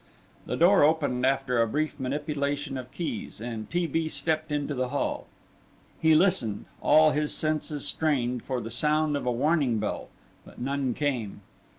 The door opened after a brief manipulation of keys, and T. B. stepped into the hall. He listened, all his senses strained, for the sound of a warning bell, but none came.